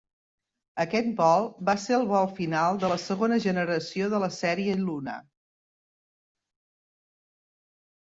Aquest vol va ser el vol final de la segona generació de la sèrie Luna.